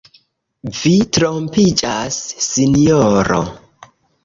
Vi trompiĝas, sinjoro.